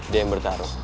dia yang bertarung